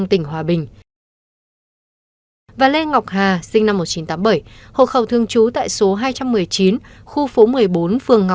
thẩm lịnh con nợ